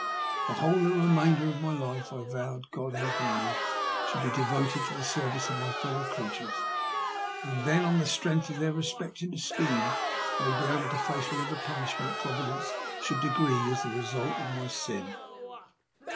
The whole of the remainder of my life I vowed, God helping me, should be devoted to the service of my fellow creatures, and then on the strength of their respect and esteem I would be able to face whatever punishment Providence should decree as the result of my sin.